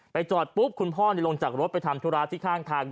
จอดปุ๊บคุณพ่อลงจากรถไปทำธุระที่ข้างทาง